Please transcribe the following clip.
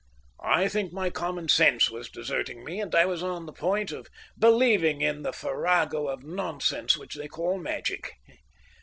I think my common sense was deserting me, and I was on the point of believing in the farrago of nonsense which they call magic.